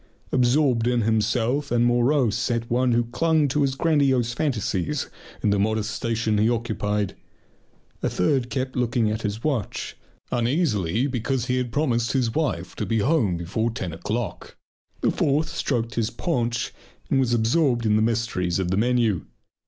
Absorbed in himself and morose sat one who clung to his grandiose fantasies in the modest station he occupied. A third kept looking at his watch uneasily because he had promised his wife to be home before ten o'clock. The fourth stroked his paunch and was absorbed in the mysteries of the menu.